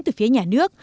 từ phía nhà nước